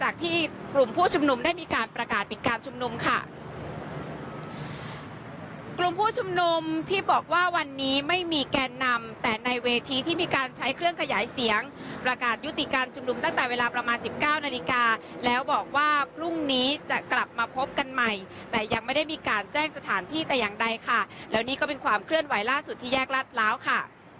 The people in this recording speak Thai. กลุ่มผู้ชุมนุมได้มีการประกาศปิดการชุมนุมค่ะกลุ่มผู้ชุมนุมที่บอกว่าวันนี้ไม่มีแกนนำแต่ในเวทีที่มีการใช้เครื่องขยายเสียงประกาศยุติการชุมนุมตั้งแต่เวลาประมาณสิบเก้านาฬิกาแล้วบอกว่าพรุ่งนี้จะกลับมาพบกันใหม่แต่ยังไม่ได้มีการแจ้งสถานที่แต่อย่างใดค่ะแล้วนี่ก็เป็นความเคลื่อนไหวล่าสุดที่แยกรัฐพร้าวค่ะ